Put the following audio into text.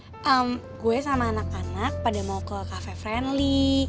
karena gue sama anak anak pada mau ke cafe friendly